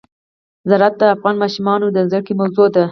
زراعت د افغان ماشومانو د زده کړې موضوع ده.